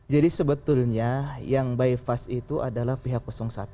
jadi sebetulnya yang bypass itu adalah pihak satu